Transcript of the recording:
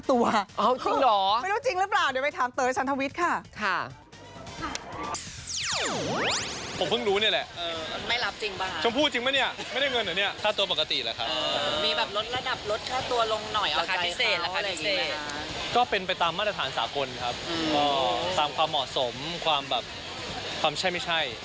ตามความเหมาะสมความใช่ไม่ใช่